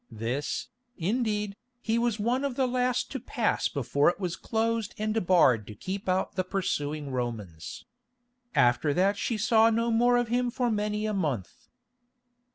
This, indeed, he was one of the last to pass before it was closed and barred to keep out the pursuing Romans. After that she saw no more of him for many a month.